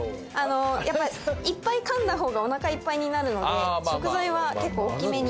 やっぱいっぱい噛んだ方がお腹いっぱいになるので食材は結構大きめに。